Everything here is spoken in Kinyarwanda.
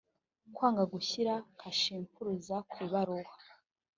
kwanga gushyira kashempuruza ku ibaruwa